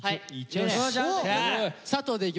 はい。